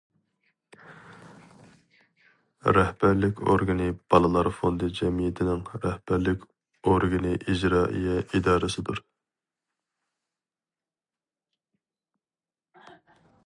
رەھبەرلىك ئورگىنى بالىلار فوندى جەمئىيىتىنىڭ رەھبەرلىك ئورگىنى ئىجرائىيە ئىدارىسىدۇر.